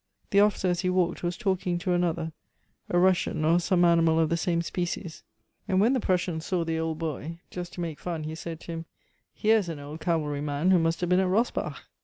The officer, as he walked, was talking to another, a Russian, or some animal of the same species, and when the Prussian saw the old boy, just to make fun, he said to him, 'Here is an old cavalry man who must have been at Rossbach.